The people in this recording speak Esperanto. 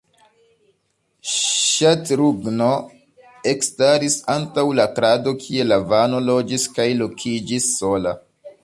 Ŝatrughno ekstaris antaŭ la krado kie Lavano loĝis kaj lokiĝis sola.